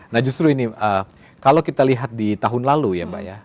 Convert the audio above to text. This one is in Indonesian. nah justru ini kalau kita lihat di tahun lalu ya mbak ya